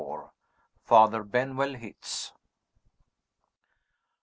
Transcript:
FATHER BENWELL HITS.